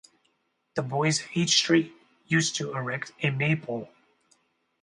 The boys of each street used to erect a Maypole.